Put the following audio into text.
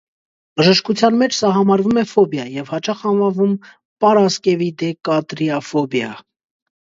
Բժշկության մեջ սա համարվում է ֆոբիա և հաճախ անվանվում «պարասկևիդեկատրիաֆոբիա»։